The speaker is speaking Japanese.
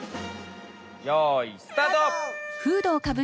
よいスタート！